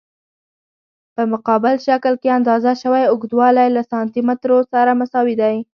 په مقابل شکل کې اندازه شوی اوږدوالی له سانتي مترو سره مساوي دی.